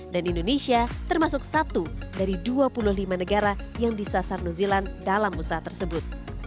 dan indonesia termasuk satu dari dua puluh lima negara yang disasar new zealand dalam usaha tersebut